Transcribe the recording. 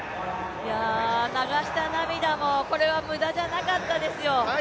流した涙も無駄じゃなかったですよ。